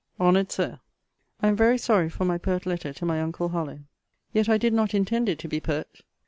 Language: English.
HONOURED SIR, I am very sorry for my pert letter to my uncle Harlowe. Yet I did not intend it to be pert.